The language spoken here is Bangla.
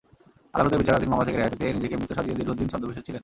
আদালতে বিচারাধীন মামলা থেকে রেহাই পেতে নিজেকে মৃত সাজিয়ে দীর্ঘদিন ছদ্মবেশে ছিলেন।